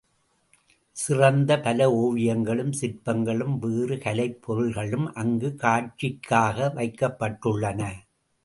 சிறந்த பல ஒவியங்களும் சிற்பங்களும், வேறு கலைப் பொருள்களும் அங்குக் காட்சிக்காக வைக்கப்பட் டுள்ளன.